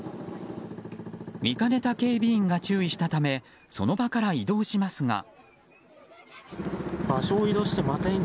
見かねた警備員が注意したためその場から移動しますが。